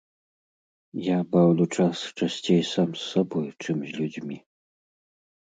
Я баўлю час часцей сам з сабой, чым з людзьмі.